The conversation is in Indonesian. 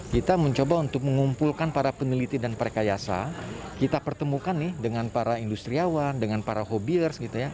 kita mencoba untuk mengumpulkan para peneliti dan perkayasa kita pertemukan nih dengan para industriawan dengan para hobiers gitu ya